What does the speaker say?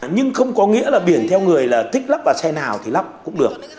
nhưng không có nghĩa là biển theo người là thích lắp vào xe nào thì lắp cũng được